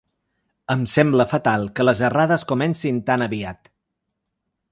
Em sembla fatal que les errades comencin tan aviat.